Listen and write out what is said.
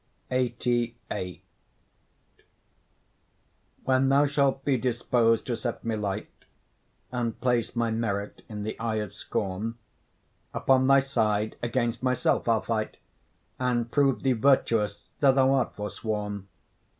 LXXXVIII When thou shalt be dispos'd to set me light, And place my merit in the eye of scorn, Upon thy side, against myself I'll fight, And prove thee virtuous, though thou art forsworn.